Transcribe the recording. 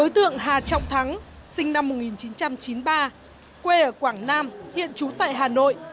đối tượng hà trọng thắng sinh năm một nghìn chín trăm chín mươi ba quê ở quảng nam hiện trú tại hà nội